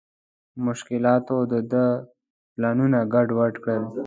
مشکلاتو د ده پلانونه ګډ وډ کړل.